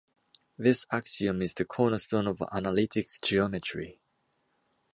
This axiom is the cornerstone of analytic geometry.